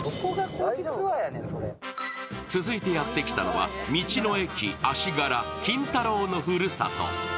続いてやってきたのは、道の駅足柄・金太郎のふるさと。